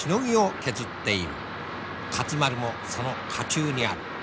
勝丸もその渦中にある。